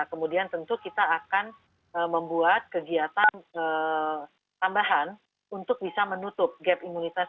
kemudian tentu kita akan membuat kegiatan tambahan untuk bisa menutup gap imunitas